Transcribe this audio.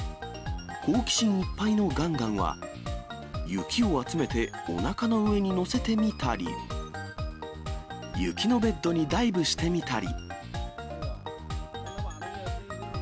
好奇心いっぱいのガンガンは、雪を集めて、おなかの上に乗せてみたり、雪のベッドにダイブしてみたり。